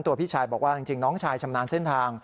พี่ชายบอกว่าจริงน้องชายชำนาญเส้นทาง